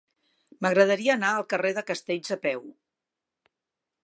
M'agradaria anar al carrer de Castells a peu.